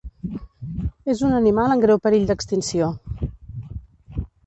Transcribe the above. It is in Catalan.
És un animal en greu perill d'extinció.